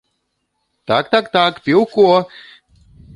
Так, так, так, піўко!